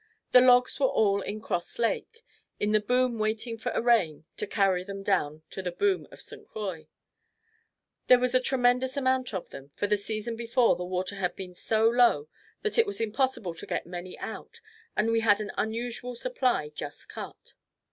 The logs were all in Cross Lake in the boom waiting for a rain to carry them down to the boom at St. Croix. There was a tremendous amount of them, for the season before, the water had been so low that it was impossible to get many out and we had an unusual supply just cut.